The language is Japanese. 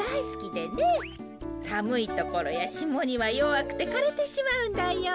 さむいところやしもにはよわくてかれてしまうんだよ。